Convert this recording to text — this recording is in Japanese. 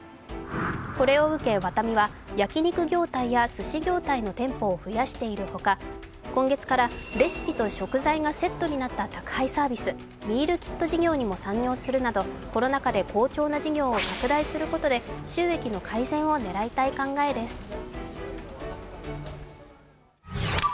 これを受け、ワタミは焼き肉業態やすし業態の店舗を増やしている他、今月からレシピと食材がセットになった宅配サービス、ミールキット事業にも参入するなどコロナ禍で好調な事業を拡大することで収益の改善を狙いたい考えです。